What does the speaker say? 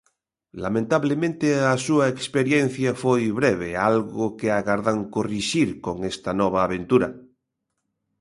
Lamentabelmente, a súa experiencia foi breve, algo que agardan corrixir con esta nova aventura.